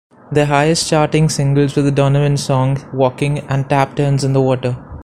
Their highest-charting singles were the Donovan song "Walking", and "Tap Turns on the Water".